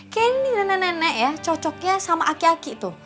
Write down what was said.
kayaknya ini nenek nenek ya cocoknya sama aki aki tuh